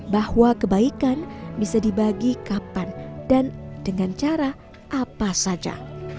bahwa kebaikan bisa dibagi kapan dan dengan cara apa saja